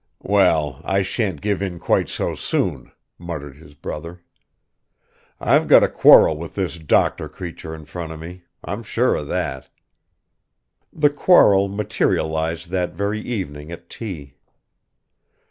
"Well, I shan't give in quite so soon," muttered his brother. "I've got a quarrel with this doctor creature in front of me, I'm sure of that." The quarrel materialized that very evening at tea.